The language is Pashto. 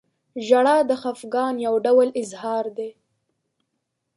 • ژړا د خفګان یو ډول اظهار دی.